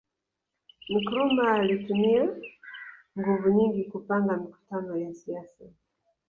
Nkrumah alitumia nguvu nyingi kupanga mikutano ya siasa